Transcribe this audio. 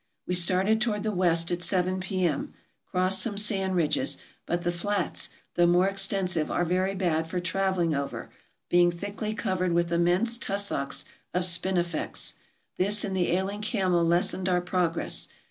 We started toward the west at seven P.M. Crossed some sand ridges ; but the flats, though more extensive, are very bad for traveling over, being thickly covered with immense tussocks of spinifex. This and the ailing camel lessened our progress.